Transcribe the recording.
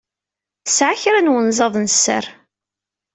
Tesɛa kra n wenzaḍ n sser.